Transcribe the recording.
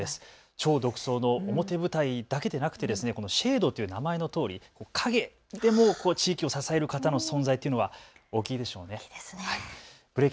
超独創の表舞台だけでなくてこのＳＨＡＤＥ、名前のとおりかげで地域を支える方の存在というのは大きいでしょうね。